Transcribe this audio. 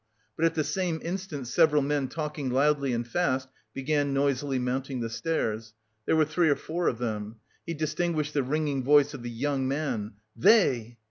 But at the same instant several men talking loud and fast began noisily mounting the stairs. There were three or four of them. He distinguished the ringing voice of the young man. "Hey!"